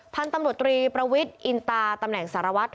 พันธุ์ตำรวจตรีประวิทย์อินตาตำแหน่งสารวัตร